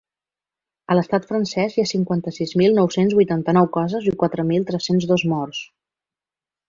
A l’estat francès hi ha cinquanta-sis mil nou-cents vuitanta-nou casos i quatre mil trenta-dos morts.